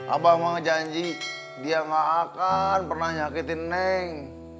abah mau ngejanji dia enggak akan pernah nyakitin neng